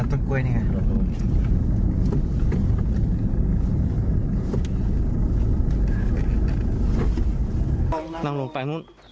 นั่งลงกันเขานั่งลงไป